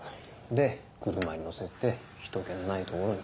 で車に乗せて人けのない所に。